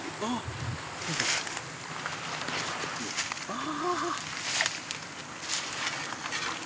ああ！